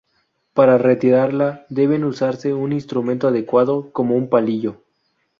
Para retirarla, debe usarse un instrumento adecuado, como un palillo.